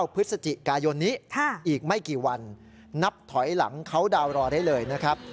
พฤศจิกายนนี้อีกไม่กี่วันนับถอยหลังเขาดาวนรอได้เลยนะครับ